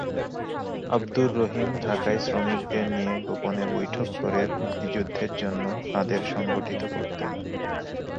আবদুর রহিম ঢাকায় শ্রমিকদের নিয়ে গোপনে বৈঠক করে মুক্তিযুদ্ধের জন্য তাঁদের সংগঠিত করতেন।